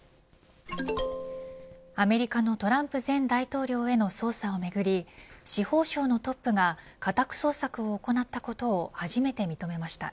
アメリカのトランプ前大統領への捜査をめぐり司法省のトップが家宅捜索を行ったことを初めて認めました。